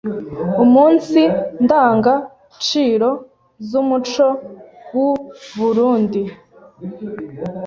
umunsi ndangaciro z’umuco w’u Burunndi